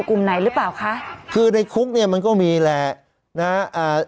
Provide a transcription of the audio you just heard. กลุ่มไหนหรือเปล่าคะคือในคุกเนี้ยมันก็มีแหละนะฮะอ่า